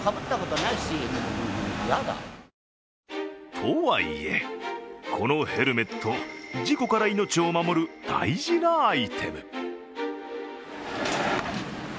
とはいえ、このヘルメット事故から命を守る大事なアイテム。